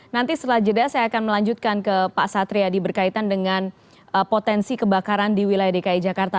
nanti setelah jeda saya akan melanjutkan ke pak satri adi berkaitan dengan potensi kebakaran di wilayah dki jakarta